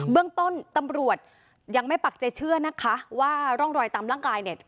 เรื่องต้นตำรวจยังไม่ปักใจเชื่อนะคะว่าร่องรอยตามร่างกายเนี่ย